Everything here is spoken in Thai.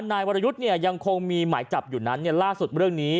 นายวรยุทธ์เนี่ยยังคงมีหมายจับอยู่นั้นล่าสุดเรื่องนี้